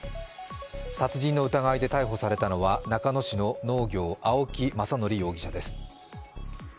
殺人の疑いで逮捕されたのは中野市の農業、青木政憲容疑者です